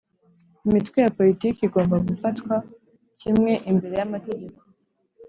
Imitwe ya politiki igomba gufatwa kimwe imbere yamategeko